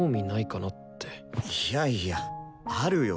いやいやあるよ！